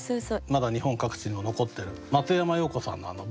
まだ日本各地の残ってる松山容子さんのあの某